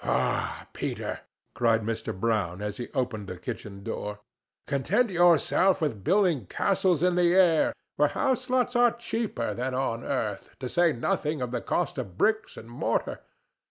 "Pho, Peter!" cried Mr. Brown as he opened the kitchen door; "content yourself with building castles in the air, where house lots are cheaper than on earth, to say nothing of the cost of bricks and mortar.